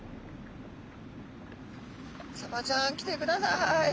サバちゃん来てください。